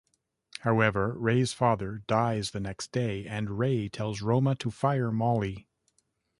However, Ray's father dies the next day, and Ray tells Roma to fire Molly.